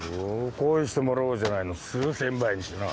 返してもらおうじゃないの数千倍にしてな